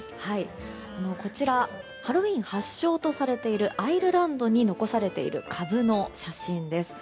こちら、ハロウィーン発祥とされているアイルランドに残されているカブの写真です。